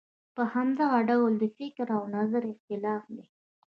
په همدغه ډول د فکر او نظر اختلاف دی.